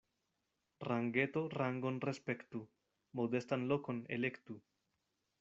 Rangeto rangon respektu, modestan lokon elektu.